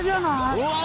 うわ！